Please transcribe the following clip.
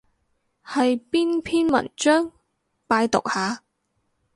係邊篇文章？拜讀下